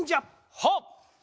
はっ！